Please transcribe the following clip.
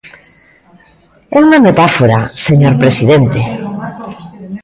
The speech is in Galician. ¡É unha metáfora, señor presidente!